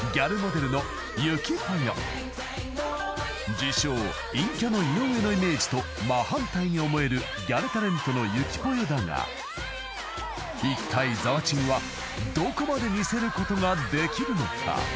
［自称陰キャの井上のイメージと真反対に思えるギャルタレントのゆきぽよだがいったいざわちんはどこまで似せることができるのか？］